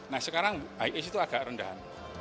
nah sekarang iis itu agak rendahan